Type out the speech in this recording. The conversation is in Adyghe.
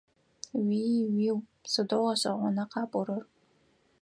Уи-уиу! Сыдэу гъэшӏэгъона къапӏорэр!